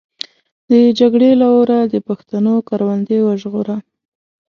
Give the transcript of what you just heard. د جګړې له اوره د پښتنو کروندې وژغوره.